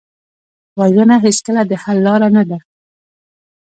وژنه هېڅکله د حل لاره نه ده